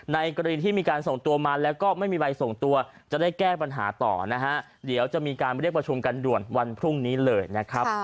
กรณีที่มีการส่งตัวมาแล้วก็ไม่มีใบส่งตัวจะได้แก้ปัญหาต่อนะฮะเดี๋ยวจะมีการเรียกประชุมกันด่วนวันพรุ่งนี้เลยนะครับ